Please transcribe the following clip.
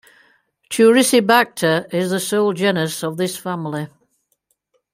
"Turicibacter" is the sole genus of this family.